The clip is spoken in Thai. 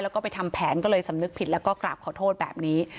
แล้วก็ไปทำแผนก็เลยสำนึกผิดแล้วก็กราบขอโทษแบบนี้